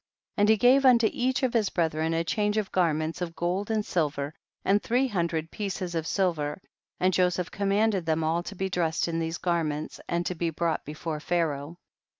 77. And he gave unto each of hi.s brethren a change of garments of gold and silver, and three hun dred pieces of silver, and Joseph commanded them all to be dressed in these garments and to be brought before Pharaoh.